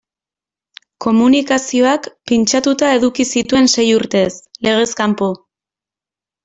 Komunikazioak pintxatuta eduki zituen sei urtez, legez kanpo.